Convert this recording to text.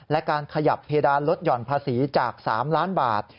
และการขยับเพดานลดหย่อนภาษีจาก๓ล้านบาท